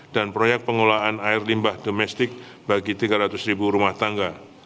dan proyek pengelolaan air limbah domestik bagi tiga ratus ribu rumah tangga